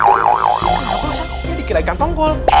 pokoknya dikira ikan tongkol